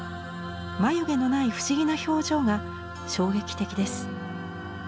眉毛のない不思議な表情が衝撃的です。